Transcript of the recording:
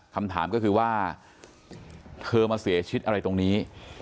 คำถามก็คือว่าเธอมาเสียชีวิตอะไรตรงนี้